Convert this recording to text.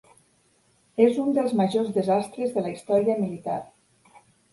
És un dels majors desastres de la història militar.